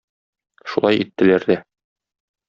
Шулай иттеләр дә.